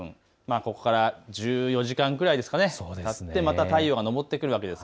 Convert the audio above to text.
ここから１４時間くらいたってまた太陽が昇ってくるわけです。